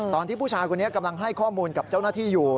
ตอนที่ผู้ชายคนนี้กำลังให้ข้อมูลกับเจ้าหน้าที่อยู่